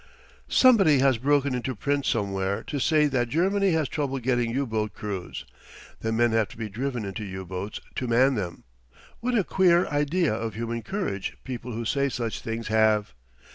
Somebody has broken into print somewhere to say that Germany has trouble getting U boat crews; that men have to be driven into U boats to man them. What a queer idea of human courage people who say such things have!